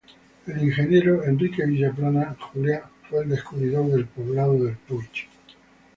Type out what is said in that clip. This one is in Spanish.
El ingeniero Enrique Vilaplana Juliá fue el descubridor del poblado del Puig.